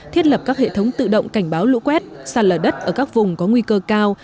thiết lập các hệ thống tự động cảnh báo lũ quét sạt lở đất ở các vùng có nguy cơ cao